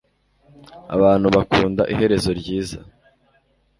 Abantu bakunda iherezo ryiza